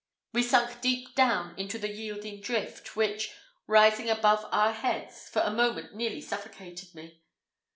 We sunk deep down into the yielding drift, which, rising high above our heads, for a moment nearly suffocated me.